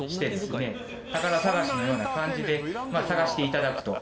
宝探しのような感じで探していただくと。